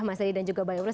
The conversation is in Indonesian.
mas adi dan juga bang ebrus